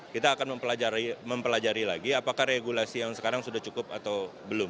kita akan mempelajari lagi apakah regulasi yang sekarang sudah cukup atau belum